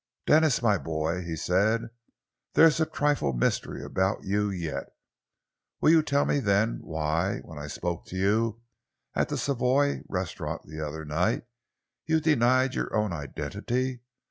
"Denis, my boy," he said, "there's a trifle of mystery about you yet. Will you tell me then, why, when I spoke to you at the Savoy Restaurant the other night, you denied your own identity?